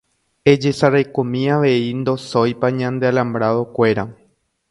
Ejesarekomi avei ndosóipa ñande alambrado-kuéra.